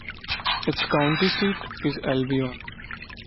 Its county seat is Albion.